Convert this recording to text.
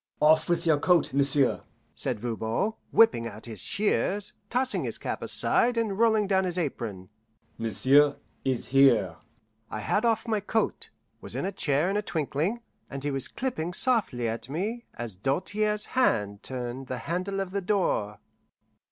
"Off with your coat, m'sieu'," said Voban, whipping out his shears, tossing his cap aside, and rolling down his apron. "M'sieu' is here." I had off my coat, was in a chair in a twinkling, and he was clipping softly at me as Doltaire's hand turned the handle of the door.